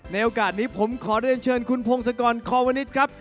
ในโอกาสนี้ผมขอโดยเชิญคุณพงศกรคอวนิทครับ